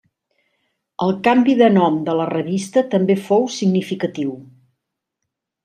El canvi de nom de la revista també fou significatiu.